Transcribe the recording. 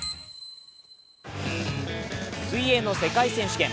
水泳の世界選手権。